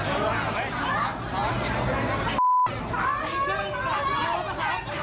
ปลาไว้ปลาไว้